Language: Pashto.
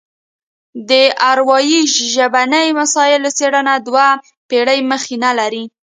د اروايي ژبني مسایلو څېړنه دوه پېړۍ مخینه لري